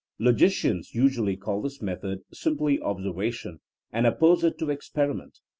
Logicians usually call this method simply observation, and oppose it to experi ment.